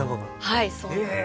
はいそうなんです。